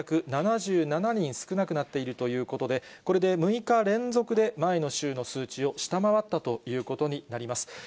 １８７７人少なくなっているということで、これで６日連続で前の週の数値を下回ったということになります。